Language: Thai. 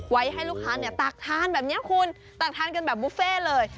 ไว้ให้ลูกค้าตากทานแบบนี้คุณตากทานกันแบบบุฟเฟ่เลย